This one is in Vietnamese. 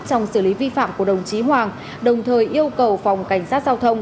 trong xử lý vi phạm của đồng chí hoàng đồng thời yêu cầu phòng cảnh sát giao thông